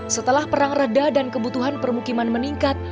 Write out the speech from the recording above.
setelah perang reda dan kebutuhan permukiman meningkat